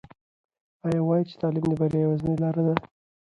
هغه وایي چې تعلیم د بریا یوازینۍ لاره ده.